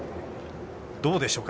どうでしょうか？